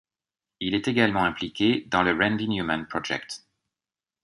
Il est également impliqué dans le Randy Newman projet.